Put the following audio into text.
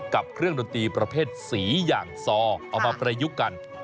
กับเครื่องดนตรีประเภทสีอย่างซอเอามาประยุกต์กัน